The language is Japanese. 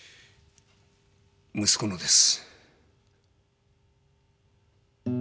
息子のです。